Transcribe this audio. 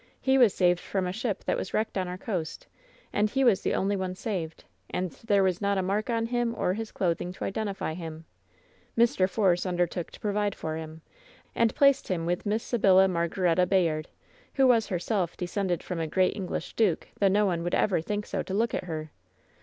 He was saved from a ship that was wrecked on our coast, and he was the only one saved, and there was not a mark on him or his clothing to identify him. Mr. Force undertook to provide for him, and placed him with Miss Sybilla Margaretta Bayard, who was herself descended from a great English duke, though no one would ever think so to look at her!